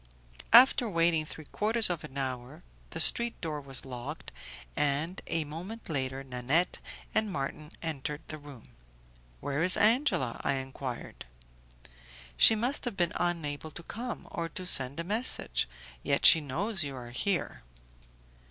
After waiting three quarters of an hour the street door was locked, and a moment later Nanette and Marton entered the room. "Where is Angela?" I enquired. "She must have been unable to come, or to send a message. Yet she knows you are here."